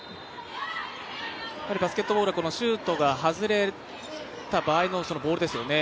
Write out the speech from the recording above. やはりバスケットボールはシュートが外れた場合のボールですよね。